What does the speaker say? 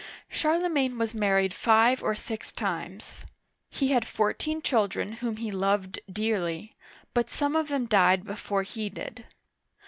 Charlemagne was married five or six times. He had fourteen children whom he loved dearly, but some of them died before he did.